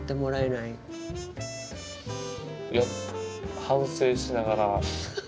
いや反省しながら。